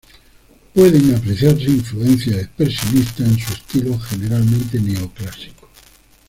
Pueden apreciarse influencias expresionistas en su estilo generalmente neoclásico.